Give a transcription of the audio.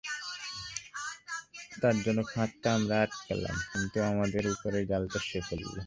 তার জন্য ফাঁদটা আমরাই আটলাম, কিন্তু আমাদের ওপর জালটা সে-ই ফেলল।